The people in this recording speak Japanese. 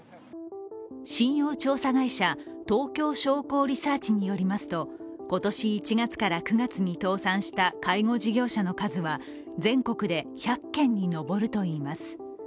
信用調査会社東京商工リサーチによりますと今年１月から９月に倒産した介護事業者の数は、全国で１００件に上るといいます。